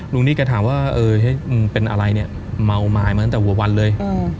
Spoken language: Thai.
หนี้แกถามว่าเออมึงเป็นอะไรเนี่ยเมาไม้มาตั้งแต่หัววันเลย